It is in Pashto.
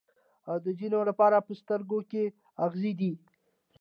او د ځینو لپاره په سترګو کې اغزی دی.